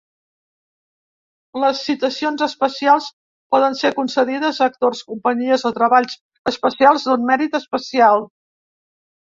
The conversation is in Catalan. Les Citacions Especials poden ser concedides a actors, companyies o treballs especials d'un mèrit especial.